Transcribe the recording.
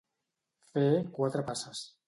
Fer quatre passes.